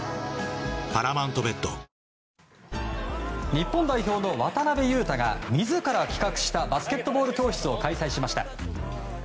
日本代表の渡邊雄太が自ら企画したバスケットボール教室を開催しました。